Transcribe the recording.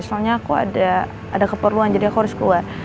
soalnya aku ada keperluan jadi aku harus keluar